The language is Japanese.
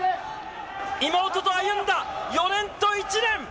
妹と歩んだ４年と１年。